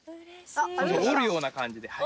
折るような感じで。